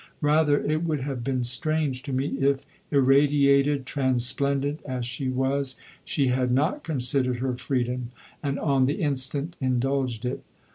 Rather, it would have been strange to me if, irradiated, transplendent as she was, she had not considered her freedom and on the instant indulged it.